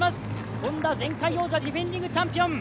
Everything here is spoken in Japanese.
Ｈｏｎｄａ、前回王者、ディフェンディングチャンピオン。